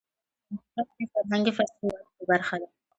هندوکش د فرهنګي فستیوالونو برخه ده.